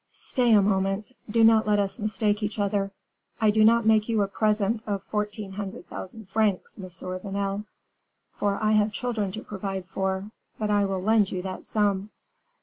"Stay a moment do not let us mistake each other: I do not make you a present of fourteen hundred thousand francs, Monsieur Vanel; for I have children to provide for but I will lend you that sum."